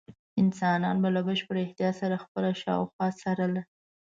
انسانانو به له بشپړ احتیاط سره خپله شاوخوا څارله.